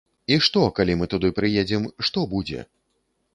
І што, калі мы туды прыедзем, што будзе?